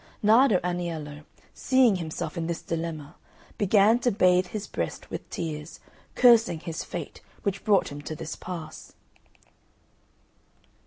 Nardo Aniello, seeing himself in this dilemma, began to bathe his breast with tears, cursing his fate which brought him to this pass.